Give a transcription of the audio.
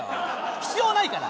必要ないから！